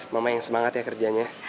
mama yang semangat ya kerjanya